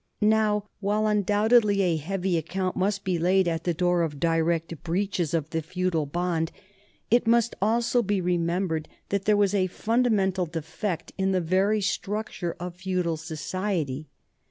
Now, while undoubtedly a heavy account must be laid at the door of direct breaches of the feudal bond, it must also be remembered that there was a fundamental defect in the very structure of feudal society.